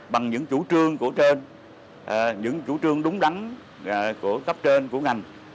bằng những chủ trương của trên những chủ trương đúng đắn của cấp trên của ngành